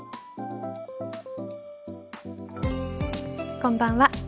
こんばんは。